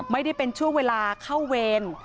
ไม่ได้เป็นช่วงเวลาเข้าเวร